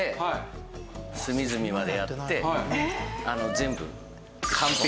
全部。